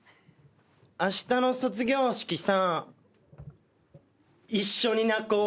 あしたの卒業式さ一緒に泣こう。